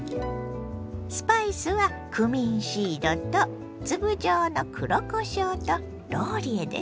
スパイスはクミンシードと粒状の黒こしょうとローリエです。